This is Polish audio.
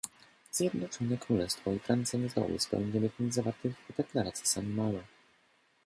Zjednoczone Królestwo i Francja nie zdołały spełnić obietnic zawartych w deklaracji z St Malo